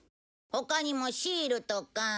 他にもシールとか。